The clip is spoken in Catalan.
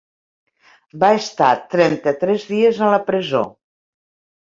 Va estar trenta-tres dies a la presó.